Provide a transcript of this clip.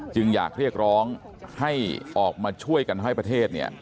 จึงอยากเรียกร้องให้ออกมาช่วยกันให้ประเทศเนี่ย